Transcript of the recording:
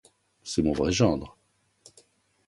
C’est mon vrai gendre.